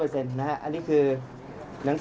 เพราะฉะนั้นไปได้รับจดหมายชอบแรกคือวันที่๒๔นะครับ